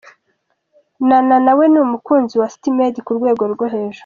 Nana nawe ni umukunzi wa City Maid ku rwego ryo hejuru.